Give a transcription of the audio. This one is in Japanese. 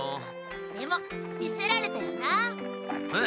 でも見せられたよな？へ？